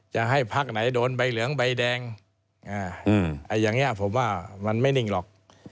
จะให้พักไหนโดนใบเหลืองใบแดงอย่างนี้ผมว่ามันไม่นิ่งหรอก